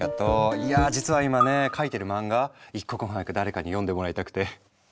いや実は今ね描いてる漫画一刻も早く誰かに読んでもらいたくて！